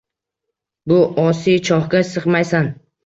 bu osiy chohga sig’maysan.